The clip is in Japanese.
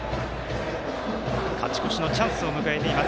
勝ち越しのチャンスを迎えています